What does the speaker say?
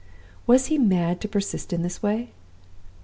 "Was he mad to persist in this way?